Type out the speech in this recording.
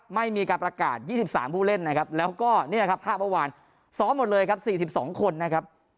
ไม่มีการประกาศยี่สิบสามผู้เล่นนะครับแล้วก็เนี่ยครับภาพประหว่างซ้อมหมดเลยครับสี่สิบสองคนนะครับ